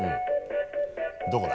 どこだ？